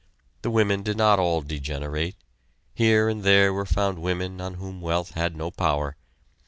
The women did not all degenerate. Here and there were found women on whom wealth had no power.